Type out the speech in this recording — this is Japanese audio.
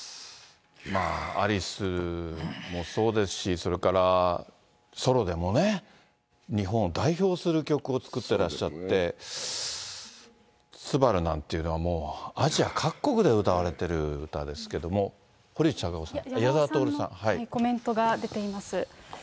アリスもそうですし、それからソロでもね、日本を代表する曲を作っていらっしゃって、すばるなんていうのはアジア各国で歌われてる歌ですけれども、コメントが出ています。